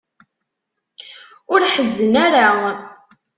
Ur ḥezzen ara.